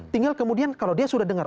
tinggal kemudian kalau dia sudah dengar